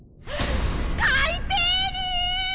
海底に！